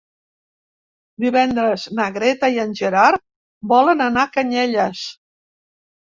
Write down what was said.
Divendres na Greta i en Gerard volen anar a Canyelles.